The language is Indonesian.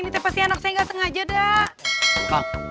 ini teh pasti anak saya nggak sengaja dah